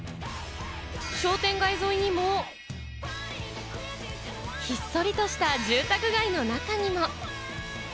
商店街沿いにも、ひっそりとした住宅街の中にも。